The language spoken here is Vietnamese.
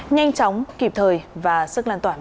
nhanh chóng kịp thời và sức lan tỏa mới